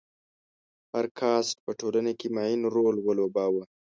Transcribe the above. هر کاسټ په ټولنه کې معین رول ولوباوه.